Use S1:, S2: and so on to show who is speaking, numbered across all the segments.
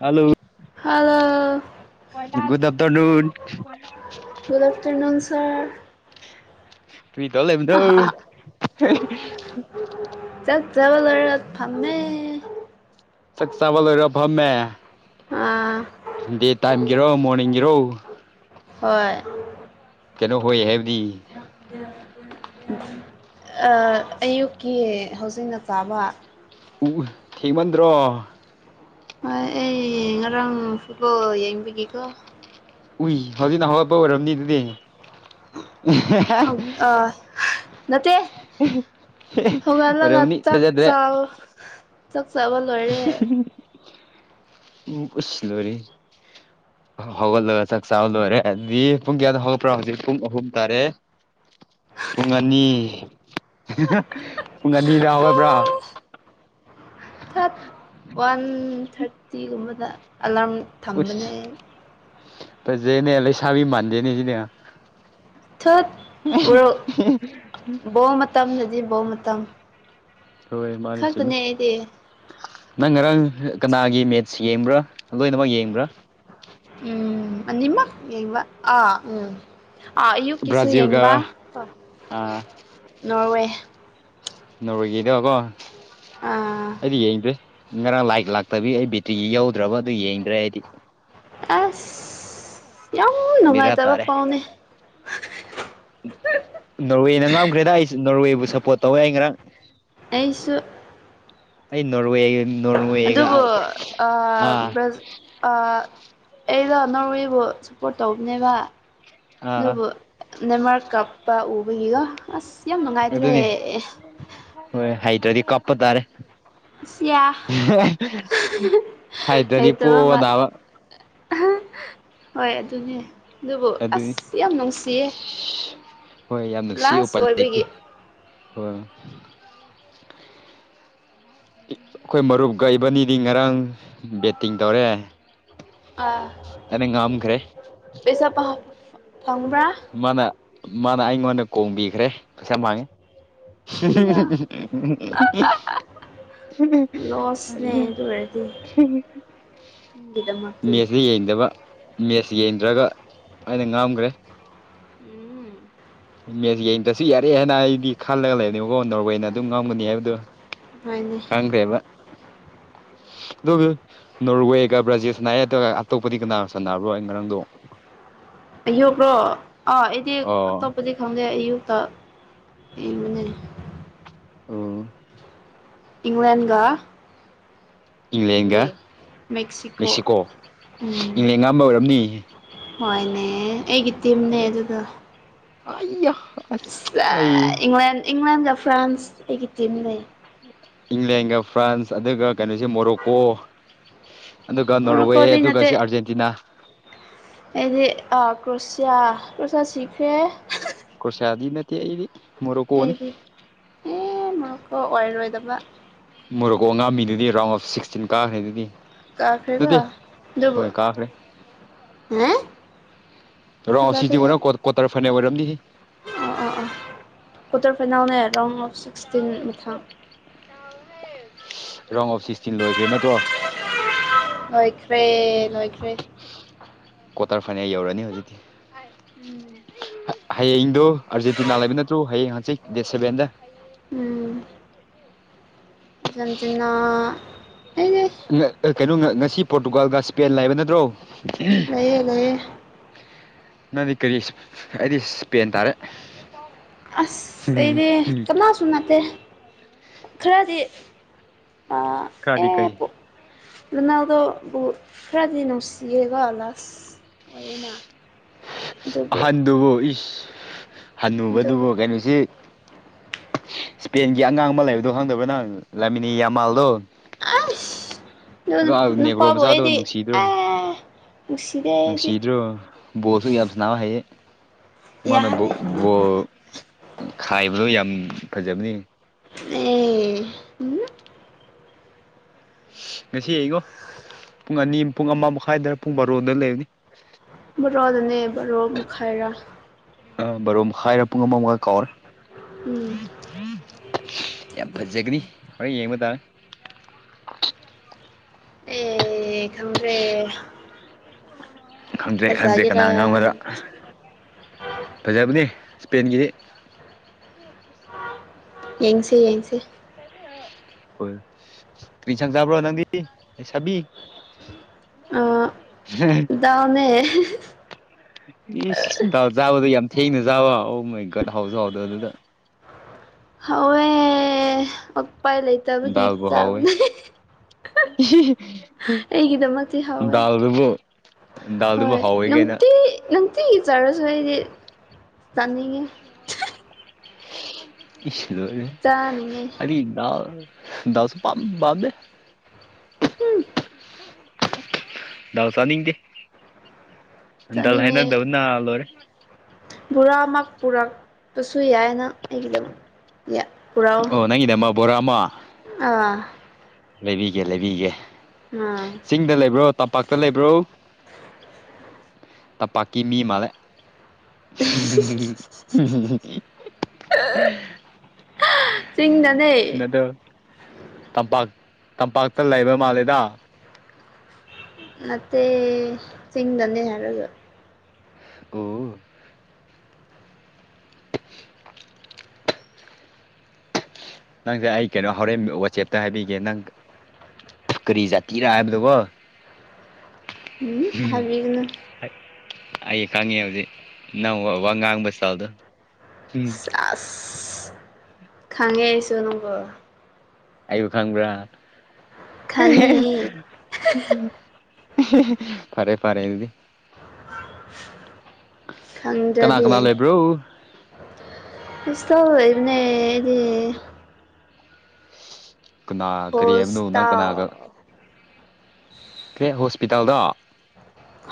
S1: Hello
S2: hello
S1: good afternoon
S2: good afternoon sir
S1: [unintelligible]
S2: ꯆꯥꯛ ꯆꯕ ꯂꯣꯏꯔꯒ ꯐꯝꯃꯦ
S1: ꯆꯥꯛ ꯆꯥꯕ ꯂꯣꯏꯔ ꯐꯝꯃꯦ
S2: ꯑꯥ
S1: ꯗꯦ ꯇꯥꯏꯝꯒꯤꯔꯣ ꯃꯣꯔꯅꯤꯡꯒꯤꯔꯣ
S2: ꯍꯣꯏ
S1: ꯀꯩꯅꯣ ꯍꯣꯏ ꯍꯥꯏꯕꯗꯤ
S2: ꯑꯌꯨꯛꯀꯤ ꯍꯧꯖꯤꯛꯅ ꯆꯥꯕ
S1: ꯎ ꯊꯦꯡꯃꯟꯗ꯭ꯔꯣ
S2: ꯍꯣꯏ ꯑꯩ ꯉꯔꯥꯡ ꯐꯨꯠꯕꯣꯜ ꯌꯦꯡꯕꯒꯤꯀꯣ
S1: ꯎꯏ ꯍꯧꯖꯤꯛꯅ ꯍꯧꯒꯠꯄ ꯑꯣꯏꯔꯝꯅꯤ ꯑꯗꯨꯗꯤ
S2: ꯑꯥ ꯅꯠꯇꯦ ꯍꯧꯒꯠꯂꯒ
S1: ꯑꯣꯏꯔꯝꯅꯤ
S2: ꯆꯥꯛ
S1: ꯊꯥꯖꯗ꯭ꯔꯦ
S2: ꯆꯕ ꯆꯥꯛ ꯆꯕ ꯂꯣꯏꯔꯦ
S1: ꯎꯝ ꯑꯁ ꯂꯣꯏꯔꯦꯍꯦ ꯍꯧꯒꯠꯂꯒ ꯆꯥꯛ ꯆꯥꯕ ꯂꯣꯏꯔꯦ ꯑꯗꯨꯗꯤ ꯄꯨꯡ ꯀꯌꯥꯗ ꯍꯧꯒꯠꯄ꯭ꯔꯣ ꯍꯧꯖꯤꯛ ꯄꯨꯡ ꯑꯍꯨꯝ ꯇꯥꯔꯦ ꯄꯨꯡ ꯑꯅꯤ ꯄꯨꯡ ꯑꯅꯤꯗꯥ ꯍꯧꯒꯠꯄ꯭ꯔꯥ
S2: ꯋꯥꯟ ꯊ꯭ꯥꯔꯇꯤ ꯒꯨꯝꯕꯗ ꯑꯦꯂꯥꯝ
S1: ꯐꯖꯩꯅꯦ ꯂꯩꯁꯥꯕꯤ ꯃꯥꯟꯗꯦꯅꯦ ꯁꯤꯗꯤ
S2: [unintelligible] ꯎꯔꯛ ꯕꯣꯜ ꯃꯇꯝꯗꯗꯤ ꯕꯣꯜ ꯃꯇꯝ
S1: ꯍꯣꯏ ꯃꯥꯅꯤ ꯆꯨꯝꯃꯦ
S2: ꯈꯛꯇꯅꯦ ꯑꯩꯗꯤ
S1: ꯅꯪ ꯉꯔꯥꯡ ꯀꯅꯥꯒꯤ ꯃꯦꯠꯁ ꯌꯦꯡꯕ꯭ꯔꯥ ꯂꯣꯏꯅꯃꯛ ꯌꯦꯡꯕ꯭ꯔꯥ
S2: ꯎꯝ ꯑꯅꯤꯃꯛ ꯌꯦꯡꯕ ꯑꯥ ꯎꯝ ꯑꯥ ꯑꯌꯨꯛꯀꯤꯁꯨ ꯌꯦꯡꯕ
S1: ꯕ꯭ꯔꯥꯖꯤꯜꯒ
S2: ꯅꯣꯔꯋꯦ
S1: ꯅꯣꯔꯣꯋꯦꯒꯤꯗꯣꯀꯣ
S2: ꯑꯥ
S1: ꯑꯩꯗꯤ ꯌꯦꯡꯗꯦ ꯉꯔꯥꯡ ꯂꯥꯏꯞ ꯂꯥꯛꯇꯕꯒꯤ ꯑꯩ ꯕꯦꯇ꯭ꯔꯤ ꯌꯧꯗ꯭ꯔꯕ ꯑꯗꯨ ꯌꯦꯡꯗ꯭ꯔꯦ ꯑꯩꯗꯤ
S2: ꯑꯁ ꯌꯥꯝ
S1: ꯕꯦꯔꯥ
S2: ꯅꯨꯡꯉꯥꯏꯇꯕ
S1: ꯇꯥꯔꯦ
S2: ꯄꯥꯎꯅꯦ
S1: ꯅꯣꯔꯋꯦꯅ ꯉꯝꯈ꯭ꯔꯦꯗ ꯑꯩ ꯅꯣꯔꯋꯦꯕꯨ ꯁꯞꯄꯣꯔꯠ ꯇꯧꯋꯦ ꯑꯩ ꯉꯔꯥꯡ
S2: ꯑꯩꯁꯨ
S1: ꯑꯩ ꯅꯣꯔꯋꯦ ꯅꯣꯔꯋꯦꯒ
S2: ꯑꯗꯨꯕꯨ ꯑꯥ ꯕꯔꯥ ꯑꯩꯗꯣ ꯅꯣꯔꯋꯦꯕꯨ ꯁꯞꯄꯣꯔꯠ ꯇꯧꯕꯅꯦꯕ
S1: ꯑꯥ
S2: ꯑꯗꯨꯕꯨ ꯅꯦꯃꯥꯔ ꯀꯥꯞꯄ ꯎꯕꯒꯤꯒꯣ ꯑꯁ ꯌꯥꯝ ꯅꯨꯡꯉꯥꯏꯇ꯭ꯔꯦ
S1: ꯑꯗꯨꯅꯤ ꯍꯣꯏ ꯍꯩꯇ꯭ꯔꯥꯗꯤ ꯀꯞꯄ ꯇꯥꯔꯦ
S2: ꯏꯁꯌꯥ
S1: ꯍꯩꯇ꯭ꯔꯗꯤ
S2: ꯍꯩꯇꯕ
S1: ꯄꯣꯕ
S2: ꯃꯥꯟ
S1: ꯇꯥꯕ
S2: ꯍꯣꯏ ꯑꯗꯨꯅꯦ ꯑꯗꯨꯕꯨ
S1: ꯑꯗꯨꯅꯤ
S2: ꯑꯁ ꯌꯥꯝ ꯅꯨꯡꯁꯤꯌꯦ
S1: ꯍꯣꯏ ꯌꯥꯝ ꯅꯨꯡꯁꯤ
S2: ꯂꯥꯁ
S1: ꯎꯄꯥꯏ ꯂꯩꯇꯦ
S2: ꯑꯣꯏꯕꯒꯤ
S1: ꯍꯣꯏ
S2: [inaudible]
S1: ꯑꯩꯈꯣꯏ ꯃꯔꯨꯞ ꯀꯥ ꯏꯕꯅꯤꯗꯤ ꯉꯔꯥꯡ ꯕꯦꯠꯇꯤꯡ ꯇꯧꯔꯦ
S2: ꯑꯥ
S1: ꯑꯩꯅ ꯉꯝꯈ꯭ꯔꯦ
S2: ꯄꯩꯁꯥ ꯐꯪꯕ꯭ꯔꯥ?
S1: ꯃꯥꯅ ꯃꯥꯅ ꯑꯩꯉꯣꯟꯗ ꯀꯣꯡꯕꯤꯈ꯭ꯔꯦ ꯄꯩꯁꯥ ꯃꯥꯡꯉꯦ
S2: ꯁꯤꯌꯥ
S1: [unintelligible]
S2: ꯂꯣꯁꯅꯦ ꯑꯗꯨ ꯑꯣꯏꯔꯗꯤ
S1: ꯑ
S2: ꯅꯪꯒꯤꯗꯃꯛꯇꯤ
S1: ꯃꯦꯠꯁꯇ ꯌꯦꯡꯗꯕ ꯃꯦꯠꯁ ꯌꯦꯡꯗ꯭ꯔꯒ ꯑꯩꯅ ꯉꯥꯝꯈ꯭ꯔꯦ
S2: ꯎꯝ
S1: ꯃꯦꯠꯁ ꯌꯦꯡꯗ꯭ꯔꯁꯨ ꯌꯥꯔꯦ ꯍꯥꯢꯅ ꯑꯩꯗꯤ ꯈꯜꯂꯒ ꯂꯩꯕꯅꯦꯕꯀꯣ ꯅꯣꯔꯋꯦꯅ ꯑꯗꯨꯝ ꯉꯝꯒꯅꯤ ꯍꯥꯏꯕꯗꯣ
S2: ꯍꯣꯏꯅꯦ
S1: ꯈꯥꯡꯈ꯭ꯔꯦꯕ ꯑꯗꯨ ꯅꯣꯔꯋꯦꯒ ꯕ꯭ꯔꯥꯖꯤꯜꯁꯅꯅꯥ ꯅꯒ ꯑꯇꯣꯞꯄꯗꯤ ꯀꯅꯥ ꯁꯥꯟꯅꯕ꯭ꯔꯣ ꯑꯩ ꯉꯔꯥꯡꯗꯣ
S2: ꯑꯌꯨꯛꯔꯣ ꯑꯥ ꯑꯩꯗꯤ
S1: ꯑꯣ
S2: ꯑꯇꯣꯞꯄꯗꯤ ꯈꯪꯗꯦ ꯑꯌꯨꯛꯇ ꯌꯦꯡꯕꯅꯦ꯫
S1: ꯑꯣ
S2: ꯏꯪꯂ꯭ꯂꯦꯟꯟꯒ
S1: ꯏꯪꯂꯦꯟꯒ ꯃꯦꯛꯁꯤꯀꯣ
S2: ꯎꯝ
S1: ꯏꯪꯂꯦꯟ ꯉꯝꯕ ꯑꯣꯏꯔꯝꯅꯤ
S2: ꯍꯣꯏꯅꯦ ꯑꯩꯒꯤ ꯇꯤꯝꯅꯦ ꯑꯗꯨꯗ
S1: ꯑꯌꯥ
S2: ꯏꯪꯂꯦꯟ ꯏꯪꯂꯦꯟꯒ ꯐ꯭ꯔꯥꯟꯁ ꯑꯩꯒꯤ ꯇꯤꯝ ꯂꯩ
S1: ꯏꯪꯂꯦꯟꯒ ꯐ꯭ꯔꯥꯟꯁ ꯑꯗꯨꯒ ꯀꯩꯅꯣꯁꯦ ꯃꯣꯔꯣꯀꯣ ꯑꯗꯨꯒ ꯅꯣꯔꯋꯦ
S2: ꯃꯣꯔꯣꯀꯣꯗꯤ
S1: ꯑꯗꯨꯒ ꯁꯤ ꯑꯥꯔꯖꯦꯟꯇꯤꯅꯥ
S2: ꯑꯦꯗꯤ ꯑ ꯀ꯭ꯔꯁꯤꯌꯥ ꯀ꯭ꯔꯁꯤꯌꯥ ꯆꯈꯦ
S1: ꯀꯁꯦ ꯑꯗꯨꯗꯤ ꯅꯠꯇ ꯑꯩꯗꯤ ꯃꯣꯔꯣꯀꯣꯅꯤ
S2: ꯑꯩꯗꯤ ꯑꯦ ꯃꯔꯨꯞꯀꯣ ꯑꯣꯏꯔꯔꯣꯏꯗꯕ
S1: ꯃꯣꯔꯣꯛꯀꯣ ꯑꯉꯥꯃꯤꯗꯨꯗꯤ ꯔꯥꯎꯟ ꯑꯣꯐ ꯁꯤꯛꯁꯇꯤꯟ ꯀꯥꯈ꯭ꯔꯦꯗꯨꯗꯤ
S2: ꯀꯥꯈꯔꯦꯒ ꯑꯗꯨꯕ
S1: ꯀꯥꯈ꯭ꯔꯦ
S2: ꯑꯦ
S1: ꯔꯣꯑꯣ ꯁꯤꯗꯤ ꯑꯣꯏꯔꯝ ꯀꯣꯇꯔ ꯐꯅꯦꯛ ꯑꯣꯏꯔꯝꯗꯤ ꯁꯤ
S2: ꯑꯣ ꯑꯣ ꯑꯣ ꯀꯣꯇꯔ ꯐꯅꯅꯥꯅ ꯍꯥꯏꯔꯥꯎ ꯑꯣꯐ ꯁꯤꯁ
S1: ꯔꯣꯡ ꯑꯣꯐꯤꯁ ꯇꯤꯟ ꯂꯣꯏꯒ꯭ꯔꯦ ꯅꯠꯇ꯭ꯔꯣ
S2: ꯍꯣꯏꯈ꯭ꯔꯦ
S1: ꯀ꯭ꯣꯋꯇꯔ ꯐꯥꯏꯅꯦꯜ ꯌꯧꯔꯅꯤ ꯍꯧꯖꯤꯛꯇꯤ
S2: ꯎꯝ
S1: ꯍꯌꯦꯡꯗꯨꯣ ꯑꯥꯔꯖꯦꯟꯇꯤꯅꯥ ꯂꯩꯕ ꯅꯠꯇ꯭ꯔꯣ ꯍꯌꯦꯡ ꯍꯪꯆꯤ ꯗꯦꯠ ꯁꯦꯚꯦꯟꯗ
S2: ꯎꯝ ꯝꯁꯤꯅ ꯑꯩꯅꯦ
S1: ꯀꯩꯅꯣ ꯉꯁꯤ ꯄꯣꯔꯇꯨꯒꯥꯜꯒ ꯏꯁꯄꯦꯟ ꯂꯩꯕ ꯅꯠꯇ꯭ꯔꯣ
S2: ꯂꯩꯌꯦ ꯂꯩꯌꯦ
S1: ꯅꯪꯗꯤ ꯀꯔꯤ ꯑꯩꯗꯤ ꯏꯁꯄꯦꯟ ꯇꯥꯔꯦ
S2: ꯑꯁ ꯑꯦꯅꯦ ꯀꯅꯥ ꯁ ꯅꯠꯇꯦ ꯈꯔꯗꯤ
S1: ꯈꯔꯤ ꯀꯥꯏ
S2: ꯑꯗꯨꯅꯗꯣ ꯐꯔꯥꯗꯤꯟꯅꯅꯨꯡꯁꯤꯦꯒꯂꯁ ꯅ
S1: ꯑꯍꯟꯗꯨꯕꯨ ꯏꯁ ꯍꯜꯨꯕꯗꯨꯕꯨ
S2: ꯑꯗꯨꯕꯨ
S1: ꯀꯩꯅꯣꯁꯤ ꯏꯁꯄꯦꯟꯒꯤ ꯑꯉꯥꯡ ꯑꯃ ꯂꯩꯕꯗꯣ ꯈꯪꯗꯕ ꯅꯪ ꯂꯥꯃꯤꯅꯤ ꯌꯥꯝꯃꯥꯜꯗꯣ
S2: ꯑꯁ ꯅ
S1: ꯑꯗꯣ ꯅꯦꯒ꯭ꯔꯣ ꯃꯆꯥꯗꯣ
S2: ꯅꯨꯄꯥꯕꯗꯤ ꯑ
S1: ꯅꯨꯡꯁꯤꯗ꯭ꯔꯣ
S2: ꯎꯁꯤꯗ
S1: ꯅꯨꯡꯁꯤꯗ꯭ꯔꯣ ꯕꯣꯜꯁꯨ ꯌꯥꯝ ꯁꯅꯥꯅꯕ ꯍꯌꯦ ꯃꯥꯅ
S2: ꯌꯥꯗꯦ
S1: ꯕꯣ ꯈꯥꯏꯕꯗꯣ ꯌꯥꯝ ꯐꯖꯕꯅꯤ
S2: ꯑꯦ
S1: ꯃꯁꯤ ꯑꯩꯒꯣ
S2: [inaudible]
S1: ꯄꯨꯡ ꯑꯅꯤ ꯄꯨꯡ ꯑꯃ ꯃꯈꯥꯏꯗ ꯄꯨꯡ ꯕꯥꯔꯣꯗ ꯂꯩꯕꯅꯤ
S2: ꯕꯣꯔꯣ ꯑꯗꯨꯅꯦ ꯕꯣꯔꯣ ꯃꯈꯨꯥꯏꯔꯣ
S1: ꯑ ꯕꯔꯣ ꯍꯥꯏꯔ ꯄꯨꯡ ꯑꯃꯃꯒ ꯀꯧꯔꯦ
S2: ꯎꯝ
S1: ꯌꯥꯝ ꯐꯖꯒꯅꯤ ꯍꯣꯔꯦꯟ ꯌꯦꯡꯕ ꯇꯥꯔꯦ
S2: ꯑꯦ ꯈꯪꯗ꯭ꯔꯦ
S1: ꯈꯪꯗ꯭ꯔꯦ ꯈꯪꯗꯦ ꯀꯅꯥ
S2: ꯐꯖꯒꯦꯔꯥ
S1: ꯉꯝꯒꯗ ꯐꯖꯕꯅꯤ ꯁ꯭ꯄꯦꯟꯒꯤꯗꯤ
S2: ꯌꯦꯡꯁꯦ ꯌꯦꯡꯁꯦ
S1: ꯍꯣꯏ ꯀꯔꯤꯁꯪ ꯆꯥꯕ꯭ꯔꯣ ꯅꯪꯗꯤ ꯑꯩ ꯁꯥꯕꯤ
S2: ꯑ
S1: ꯍꯝ
S2: ꯗꯥꯜꯅꯦ
S1: ꯏ ꯁꯟꯥꯎ ꯆꯥꯕꯗ ꯌꯥꯝ ꯊꯦꯡꯅ ꯆꯥꯕ ꯑꯣ ꯃꯩꯒꯠ ꯍꯥꯎꯁꯨ ꯍꯥꯎꯗ ꯑꯗꯨꯗ
S2: ꯍꯋꯦ ꯎꯄꯥꯏ ꯂꯩꯇꯕꯒꯤ ꯆꯥꯕꯅ ꯍꯥꯎꯋꯦ
S1: ꯗꯜꯗꯕꯣ
S2: ꯍꯣꯏ ꯅꯨꯡꯇꯤ ꯅꯨꯡꯇꯤꯒꯤꯖꯔꯁꯨ ꯑꯩꯗꯤ ꯆꯥꯅꯤꯡꯉꯦ
S1: ꯗ
S2: ꯆꯥꯅꯤꯡꯉꯦ
S1: ꯑꯗꯤꯗꯎ ꯗꯁꯕꯦ
S2: ꯎꯝ
S1: ꯗꯥꯜ ꯆꯥꯅꯤꯡꯗꯦ ꯗꯥꯜ ꯍꯥꯏꯅꯗꯕ ꯅꯥ ꯂꯣꯏꯔꯦ
S2: ꯕꯣꯔꯥ ꯑꯃ ꯄꯨꯔꯛꯄꯁꯨ ꯌꯥꯏꯅ ꯑꯩꯒꯤꯗꯃꯛ ꯄꯨꯔꯥ
S1: ꯅꯪꯒꯤ ꯅꯃ ꯕꯣꯔꯥ ꯑꯃꯥ
S2: ꯑꯥ
S1: ꯂꯩꯕꯤꯒꯦ ꯂꯩꯕꯤꯒꯦ
S2: ꯎꯝ
S1: ꯆꯤꯡꯗ ꯂꯩꯕ꯭ꯔꯣ ꯇꯝꯄꯥꯛꯇ ꯂꯩꯕ꯭ꯔꯣ ꯇ ꯄꯀꯤ ꯃꯤ ꯃꯂ [inaudible] [inaudible]
S2: ꯆꯤꯡꯗꯅꯦ
S1: ꯇꯕ ꯇꯝꯄꯥꯛꯇ ꯂꯩꯕ ꯃꯥꯜꯂꯦꯗ
S2: ꯃꯦ ꯁꯤꯁꯤꯡꯗꯅꯦ ꯌꯥꯔꯁꯨ
S1: ꯑꯣ ꯅꯪꯁꯦ ꯑꯩ ꯀꯩꯅꯣ ꯍꯣꯔꯦꯟ ꯋꯥꯆꯦꯞꯇ ꯍꯥꯏꯕꯤꯒꯦ ꯅꯪ ꯀꯔꯤ ꯖꯥꯇꯤꯔꯥ ꯍꯥꯏꯕꯗꯨꯀꯣ
S2: ꯎꯝ ꯍꯥꯏꯕꯤꯒꯅꯨ
S1: ꯑꯩ ꯀꯉꯤ ꯌꯎꯖꯤꯗꯤ ꯅ ꯋꯥꯪ ꯍꯥꯪꯕꯁꯥꯎ ꯑꯗꯨ
S2: ꯆꯁ ꯈꯪꯉꯦ ꯑꯩꯁꯨ ꯅꯪꯕꯣ
S1: ꯑꯩꯕꯨ ꯈꯪꯕ꯭ꯔꯥ
S2: ꯈꯪꯉꯦ
S1: ꯐꯔꯦ ꯐꯔꯦ ꯑꯗꯨꯗꯤ ꯀꯅꯥ
S2: ꯈꯪꯗ꯭ꯔꯗꯤ
S1: ꯀꯅꯥ ꯂꯩꯕ꯭ꯔꯣ
S2: ꯀꯁꯣ ꯍꯥꯏꯕ ꯑꯦꯗꯤ
S1: ꯀꯅꯥ ꯀꯔꯤ ꯍꯥꯏꯕꯅꯣ ꯅꯪ
S2: ꯍꯣꯁꯇꯥꯜ
S1: ꯀꯅꯥꯒ ꯀ ꯍꯣꯁꯄꯤꯇꯥꯜꯗꯣ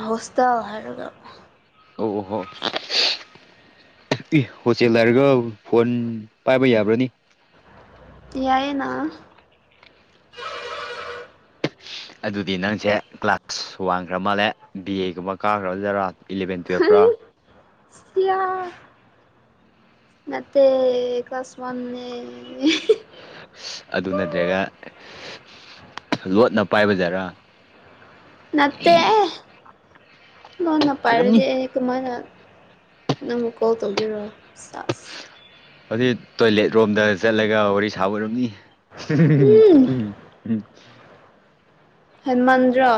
S2: ꯍꯣꯁꯇꯥꯜ ꯍꯥꯏꯔꯒ
S1: ꯑꯣ ꯍꯣ ꯍꯣꯇꯦꯜ ꯍꯥꯏꯔꯒ ꯐꯣꯟ ꯄꯥꯏꯕ ꯌꯥꯕ꯭ꯔꯅꯤ
S2: ꯌꯥꯌꯦꯅꯥ
S1: ꯑꯗꯨꯗꯤ ꯅꯪꯁꯦ ꯀ꯭ꯂꯥꯁ ꯋꯥꯟꯈ꯭ꯔ ꯃꯥꯜꯂꯦ ꯕꯤ ꯑꯦꯒꯨꯝꯕ ꯀꯥꯈ꯭ꯔꯖꯔꯥ ꯏꯂꯚꯦꯟ ꯇꯨꯌꯦꯞꯔꯣ
S2: ꯁꯤ ꯅꯠꯇꯦ ꯑꯀꯁꯃꯥꯟ
S1: ꯑꯗꯨ ꯅꯠꯇ꯭ꯔꯒ ꯂꯣꯠꯅ ꯄꯥꯏꯕꯖꯔꯥ
S2: ꯅꯠꯇꯦ ꯅꯣꯅ
S1: ꯑꯣꯏꯔꯝꯅꯤ
S2: ꯄꯔꯗꯦ ꯀꯃꯥꯏꯅ ꯅꯪꯕꯨꯛ ꯀꯣꯜ ꯇꯧꯕꯤꯔꯣ ꯁꯥꯁ
S1: ꯑꯗꯨꯗꯤ ꯇꯣꯏꯂꯦꯠ ꯔꯣꯝꯗ ꯆꯠꯂꯒ ꯋꯥꯔꯤ ꯁꯥꯕꯔꯝꯅꯤ
S2: ꯎꯝ
S1: [unintelligible]
S2: ꯍꯦꯃꯟꯗ꯭ꯔ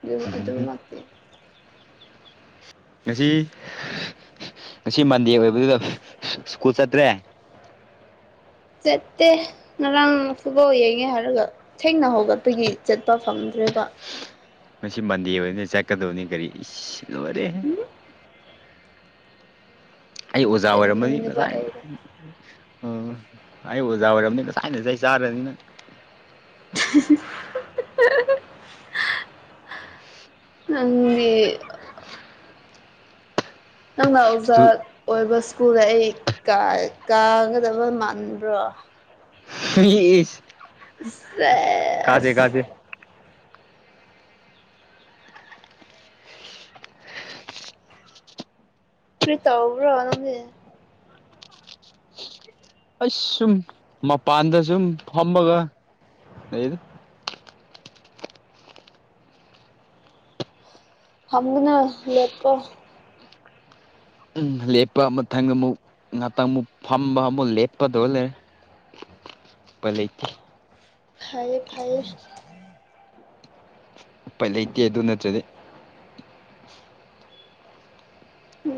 S2: ꯑꯗꯨ ꯑꯗꯨꯝꯃꯛꯇꯤ
S1: ꯉꯁꯤ ꯉꯁꯤ ꯃꯟꯗꯦ ꯑꯣꯏꯕꯗꯨꯗ ꯁ꯭ꯀꯨꯜ ꯆꯠꯇ꯭ꯔꯦ
S2: ꯆꯠꯇꯦ ꯉꯥꯔꯥꯪꯡ ꯐꯨꯕꯣꯜ ꯌꯦꯡꯉꯦ ꯍꯥꯏꯔꯒ ꯊꯦꯡꯅ ꯍꯧꯒꯠꯄꯒꯤ ꯆꯠꯄ ꯐꯪꯗ꯭ꯔꯦꯕ
S1: ꯃꯁꯤ ꯃꯟꯗꯦ ꯑꯣꯏꯅꯤ ꯆꯠꯀꯗꯧꯅꯤ ꯀꯔꯤ ꯏ ꯔꯦ ꯑꯩ ꯑꯣꯖꯥ ꯑꯣꯏꯔꯝꯃꯅꯤ
S2: ꯆꯠꯅꯤꯡꯗꯕ
S1: ꯅꯁꯥꯏ
S2: ꯑꯩꯗꯣ
S1: ꯎꯝ ꯑꯩ ꯑꯣꯖꯥ ꯑꯣꯏꯔꯕꯅꯤ ꯉꯁꯥꯏꯅꯁ ꯆꯥꯔꯅꯤꯅ
S2: [unintelligible] [unintelligible] [unintelligible] ꯑꯣꯏꯕ ꯏꯁ꯭ꯀꯨꯜꯗ ꯑꯩ ꯀꯥ ꯀꯥꯒꯗꯕ ꯃꯥꯟꯕ꯭ꯔꯣ
S1: ꯏꯁ ꯀꯥꯁꯦ
S2: ꯁꯦꯁ
S1: ꯀꯖꯦ
S2: ꯄ꯭ꯔꯤ ꯇꯧꯕ꯭ꯔꯣ ꯅꯪꯗ
S1: ꯑꯩꯁ ꯁꯨꯝ ꯃꯄꯥꯟꯗ ꯁꯨꯝ ꯐꯝꯃꯒ ꯂꯩꯗ
S2: ꯐꯝꯒꯅꯣ ꯂꯦꯞꯄꯣ
S1: ꯎꯝ ꯂꯦꯞꯄ ꯃꯊꯪꯗ ꯑꯃꯨꯛ ꯉꯥꯛꯇꯪ ꯃꯨꯛ ꯐꯝꯕ ꯑꯃꯨꯛ ꯂꯦꯞꯄ ꯗꯧ ꯂꯩꯔꯦ ꯎꯄꯥꯏ ꯂꯩꯇꯦ
S2: ꯐꯩꯌꯦ ꯐꯩꯌꯦ
S1: ꯎꯄꯥꯏ ꯂꯩꯇꯦ ꯑꯗꯨ ꯅꯠꯇ꯭ꯔꯗꯤ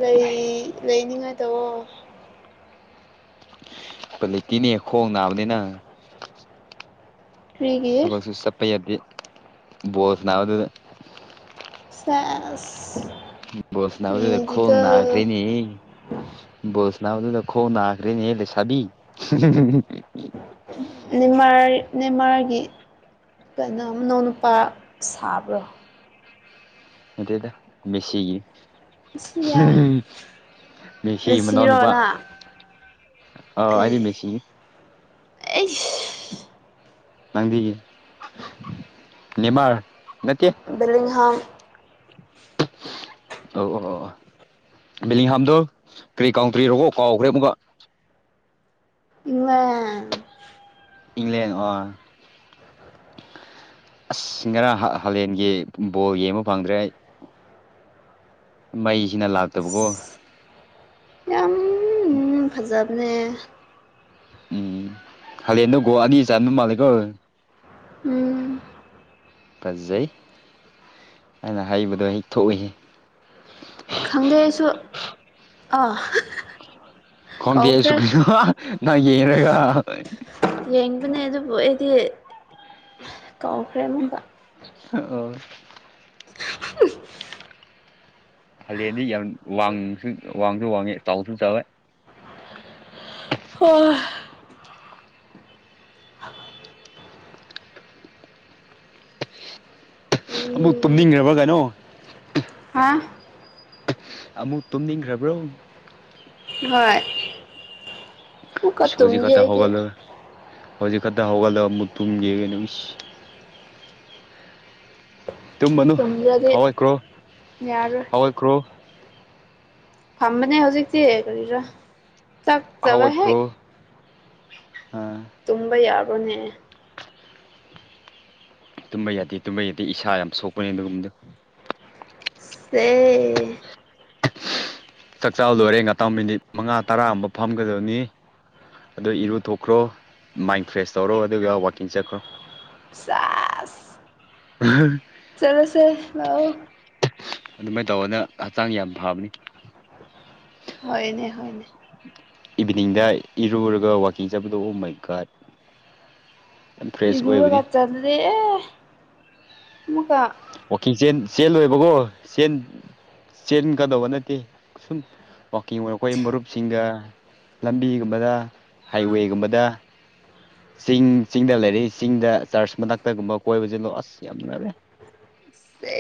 S2: ꯂꯩ ꯂꯩꯅꯤꯡꯉꯥꯏꯗꯣ
S1: ꯎꯄꯥꯏ ꯂꯩꯇꯤꯅꯦ ꯈꯣꯡ ꯅꯥꯕꯅꯤꯅ
S2: ꯀ꯭ꯔꯤꯒꯤ
S1: ꯊꯕꯛꯁꯨ ꯆꯠꯄ ꯌꯥꯗꯦ ꯕꯣꯜ ꯁꯥꯟꯅꯥꯕꯗꯨꯗ
S2: ꯁꯦꯁ
S1: ꯕꯣꯜ ꯁꯥꯟꯅꯕꯗꯨꯗ ꯈꯣꯡ
S2: ꯃꯦꯗꯤꯀꯦꯜ
S1: ꯅꯥꯈ꯭ꯔꯦꯅꯦꯍꯦ ꯕꯣꯜ ꯁꯥꯟꯅꯥꯕꯗꯨꯗ ꯈꯣꯡ ꯅꯈ꯭ꯔꯦꯅꯦꯍꯦ ꯂꯩꯁꯥꯕꯤ
S2: ꯅꯦꯃꯥꯔ ꯅꯦꯃꯥꯔꯒꯤ ꯀꯩꯅꯣ ꯃꯅꯧ ꯅꯨꯨꯄꯥ ꯁꯥꯕ꯭ꯔꯣ
S1: ꯅꯠꯇꯦꯗ ꯃꯦꯁꯤꯒꯤ
S2: ꯃꯦꯁꯤꯌꯥ
S1: ꯃꯦꯁꯤ ꯃꯅꯥꯎ
S2: ꯃꯦꯁꯤꯔꯣ
S1: ꯅꯨꯄꯥ
S2: ꯅꯪ
S1: ꯑꯥ ꯑꯩꯗꯤ ꯃꯦꯁꯤ
S2: ꯑꯩꯁ
S1: ꯅꯪꯗꯤ ꯅꯦꯃꯥꯔ ꯅꯠꯇꯦ
S2: ꯕꯦꯂꯤꯡꯍꯝ
S1: [unintelligible] ꯕꯤꯂꯤꯡꯍꯥꯥꯝꯗꯣ ꯀꯔꯤ ꯀꯥꯎꯟꯇ꯭ꯔꯤꯔꯣ ꯀꯥꯎꯈ꯭ꯔꯦ ꯑꯃꯨꯛꯀ
S2: ꯏꯪꯂꯦꯜ
S1: ꯏꯪꯂꯦꯜ ꯑꯣ ꯑꯁ ꯉꯔꯥꯡ ꯍꯥ ꯍꯂꯦꯟꯒꯤ ꯕꯣꯜ ꯌꯦꯡꯕ ꯐꯪꯗ꯭ꯔꯦ ꯑꯩ ꯃꯩꯁꯤꯅ ꯂꯥꯛꯇꯕꯀꯣ
S2: ꯌꯥꯝ ꯐꯖꯕꯅꯦ
S1: ꯎꯝ ꯍꯥꯂꯦꯟꯗꯣ ꯒꯣꯜ ꯑꯅꯤ ꯆꯟꯕ ꯃꯥꯜꯂꯦꯀꯣ
S2: ꯎꯝ
S1: ꯐꯖꯩ ꯑꯩꯅ ꯍꯩꯕꯗꯣ ꯍꯦꯛ ꯊꯣꯛꯏꯍꯦ
S2: ꯈꯪꯗꯦ ꯑꯩꯁꯨ ꯑꯥ
S1: ꯈꯣꯡꯗꯦ ꯑꯩꯁꯨ
S2: ꯀꯥꯎꯈ꯭ꯔꯦ
S1: ꯀꯩꯅꯣ ꯅꯪ ꯌꯦꯡꯉꯒ
S2: ꯌꯦꯡꯕꯅꯦ ꯑꯗꯨꯕꯨ ꯑꯩꯗꯤ ꯀꯧꯈ꯭ꯔꯦ ꯑꯃꯨꯛꯀ
S1: [unintelligible] ꯑꯣ
S2: [unintelligible]
S1: ꯍꯥꯂꯦꯟꯗ ꯌꯥꯝ ꯋꯥꯡꯁꯨ ꯋꯥꯡꯁꯨ ꯋꯥꯡꯉꯦ ꯆꯥꯎꯁꯨ ꯆꯥꯎꯋꯦ
S2: ꯍꯣꯏ
S1: ꯑꯃꯨꯛ
S2: ꯎꯝ
S1: ꯇꯨꯝꯅꯤꯡꯈ꯭ꯔꯕ ꯀꯩꯅꯣ
S2: ꯍꯥ
S1: ꯑꯃꯨꯛ ꯇꯨꯝꯅꯤꯡꯈ꯭ꯔꯕ꯭ꯔꯣ
S2: ꯍꯣꯏ ꯑꯃꯨꯛꯀ
S1: ꯏꯁ ꯍꯧꯖꯤꯛ
S2: ꯇꯨꯝꯒꯦ
S1: ꯈꯛꯇ
S2: ꯑꯩꯗꯤ
S1: ꯍꯧꯒꯠꯂ ꯍꯧꯖꯤꯛ ꯈꯛꯇ ꯍꯧꯒꯠꯂꯒ ꯑꯃꯨꯛ ꯇꯨꯝꯒꯦꯌꯦ ꯀꯩꯅꯣ ꯏꯁ ꯇꯃꯅꯨ
S2: ꯇꯨꯝꯗ꯭ꯔꯗꯤ
S1: ꯍꯧꯒꯠꯈ꯭ꯔꯣ
S2: ꯌꯥꯔꯣꯏ
S1: ꯍꯧꯒꯠꯈ꯭ꯔꯣ
S2: ꯐꯝꯕꯅꯦ ꯍꯧꯖꯤꯛꯛꯇꯤ ꯀꯔꯤꯔꯥ ꯆꯥꯛ ꯆꯥꯕ
S1: ꯍꯧꯒꯠꯈ꯭ꯔꯣ
S2: ꯍꯦꯛ
S1: ꯑꯥ
S2: ꯇꯨꯝꯕ ꯌꯥꯕ꯭ꯔꯥꯅꯦ
S1: ꯇꯨꯝꯕ ꯌꯥꯗꯦ ꯇꯨꯝꯕ ꯌꯥꯗꯦ ꯏꯁꯥ ꯌꯥꯝ ꯁꯣꯛꯄꯅꯦ ꯑꯗꯨꯒꯨꯝꯕꯗꯣ꯫
S2: [unintelligible]
S1: ꯆꯥꯛꯆꯥ ꯂꯣꯏꯔꯦ ꯉꯇꯪ ꯃꯤꯅꯤꯠ ꯃꯉꯥ ꯇꯔꯥ ꯑꯃ ꯐꯝꯒꯗꯣꯢꯅꯤ ꯑꯗꯣ ꯏꯔꯨ ꯊꯣꯛꯈ꯭ꯔꯣ ꯃꯥꯏꯟ ꯐ꯭ꯔꯦꯁ ꯇꯧꯔꯣ ꯑꯗꯨꯒ ꯋꯥꯛꯀꯤꯡ ꯆꯠꯈ꯭ꯔꯣ
S2: [unintelligible]
S1: [unintelligible]
S2: ꯆꯠꯂꯁꯦ ꯂꯥꯛꯑꯣ
S1: ꯑꯗꯨꯃꯥꯏꯅ ꯇꯧꯕꯅ ꯍꯛꯆꯥꯡ ꯌꯥꯝ ꯐꯕꯅꯤ
S2: ꯍꯣꯏꯅꯦ ꯍꯣꯏꯅꯦ
S1: ꯏꯚꯤꯅꯤꯡꯗ ꯏꯔꯨꯔꯒ ꯋꯥꯛꯀꯤꯡ ꯆꯠꯄꯗꯣ ꯑꯣ ꯃꯥꯢ ꯒꯣꯠ ꯌꯥꯝ ꯐ꯭ꯔꯦꯁ
S2: ꯏꯔꯨꯔꯒ
S1: ꯑꯣꯏꯕꯅꯤ
S2: ꯆꯠꯂꯗꯤꯑ ꯑꯃꯨꯀ
S1: ꯋꯥꯛꯀꯤꯡ ꯆꯦꯟ ꯆꯦꯟ ꯂꯣꯏꯕꯀꯣ ꯆꯦꯟ ꯆꯦꯟꯀꯗꯧꯕ ꯅꯠꯇꯦ ꯁꯨꯝ ꯋꯥꯛꯀꯤꯡ ꯑꯣꯏ ꯈꯣꯏ ꯃꯔꯨꯞꯁꯤꯡꯒ ꯂꯝꯕꯤꯒꯨꯝꯕꯗ ꯍꯥꯏꯋꯦꯒꯨꯝꯕꯗ ꯆꯤꯡ ꯆꯤꯡꯗ ꯂꯩꯔꯤ ꯆꯤꯡꯗ ꯆꯔꯆ ꯃꯅꯥꯛꯇꯒꯨꯝꯕ ꯀꯣꯏꯕꯕꯁꯤꯂꯣ ꯑꯁ ꯌꯥꯝ ꯅꯨꯡꯉꯥꯏꯕꯅꯦ
S2: ꯁꯦ